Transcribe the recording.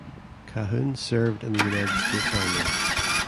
Cahoon served in the United States Army.